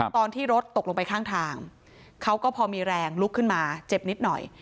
ตอนที่รถตกลงไปข้างทางเขาก็พอมีแรงลุกขึ้นมาเจ็บนิดหน่อย